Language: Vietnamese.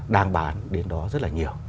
đang bán đến đó rất là nhiều